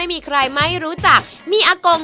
ผมจะใช่น้อง